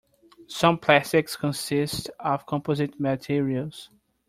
Some plastics consist of composite materials.